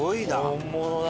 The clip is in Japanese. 本物だ。